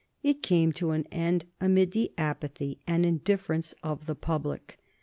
It came to an end amid the apathy and indifference of the public.